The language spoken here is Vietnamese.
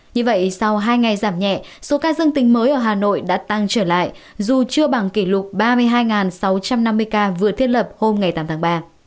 như vậy sau hai ngày giảm nhẹ số ca dân tình mới ở hà nội đã tăng trở lại dù chưa bằng kỷ lục ba mươi hai sáu trăm năm mươi ca vừa thiết lập hôm tám tháng ba